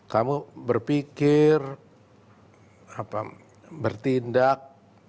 kamu berpikir bertindak